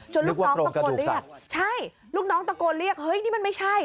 ลูกน้องตะโกนเรียกใช่ลูกน้องตะโกนเรียกเฮ้ยนี่มันไม่ใช่